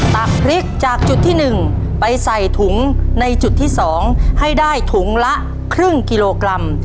ตักพริกจากจุดที่๑ไปใส่ถุงในจุดที่๒ให้ได้ถุงละครึ่งกิโลกรัม